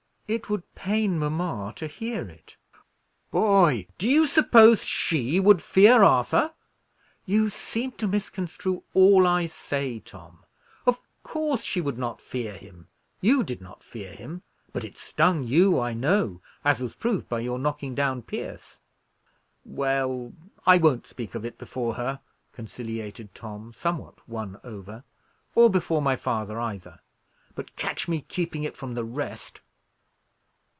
"It would pain mamma to hear it." "Boy! do you suppose she would fear Arthur?" "You seem to misconstrue all I say, Tom. Of course she would not fear him you did not fear him; but it stung you, I know, as was proved by your knocking down Pierce." "Well, I won't speak of it before her," conciliated Tom, somewhat won over, "or before my father, either; but catch me keeping it from the rest."